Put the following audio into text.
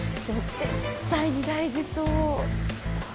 絶対に大事そうすごい。